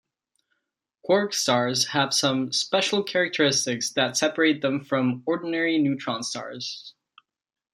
Quark stars have some special characteristics that separate them from ordinary neutron stars.